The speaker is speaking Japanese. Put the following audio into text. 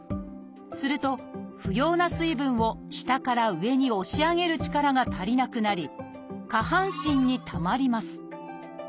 すると不要な水分を下から上に押し上げる力が足りなくなり下半身にたまります。